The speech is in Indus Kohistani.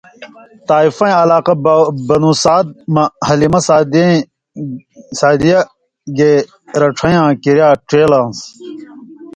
طائفَیں عِلاقہ 'بنوسعد' مہ حلیمہ سعدیہ گے رچَھیں یاں کِریا ڇِہےلس؛